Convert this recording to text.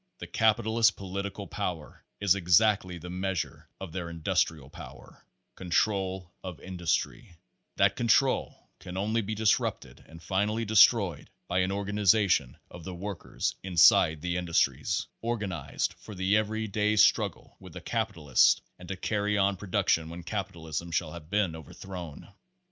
The capitalists' political power is exactly the meas , ure of their industrial power control of industry ; that control can only be disputed and finally destroyed by an organization of the workers inside the industries organized for the every day struggle with the capital ists and to carry on production when capitalism shall have been overthrown.